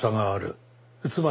つまり。